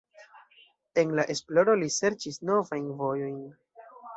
En la esploro li serĉis novajn vojojn.